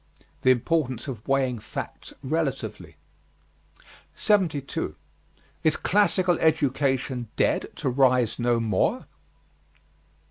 The importance of weighing facts relatively. 72. IS CLASSICAL EDUCATION DEAD TO RISE NO MORE?